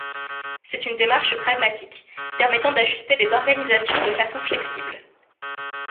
C'est une démarche pragmatique permettant d'ajuster les organisations de façon flexible.